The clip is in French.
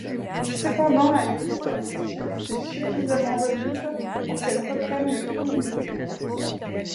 Cependant à l'été sa blessure s'est suffisamment remise pour qu'elle reprenne le haut niveau.